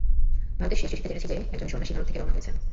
ভারতের শেষ চিঠিতে জেনেছি যে, একজন সন্ন্যাসী ভারত থেকে রওনা হয়েছেন।